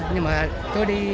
nhưng mà tôi đi